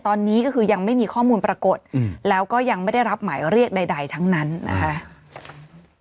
ตอนนี้ก็คือยังไม่มีข้อมูลปรากฏแล้วก็ยังไม่ได้รับหมายเรียกใดทั้งนั้นนะคะ